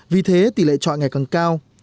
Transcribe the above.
vì thế tỷ lệ trọi ngày càng cao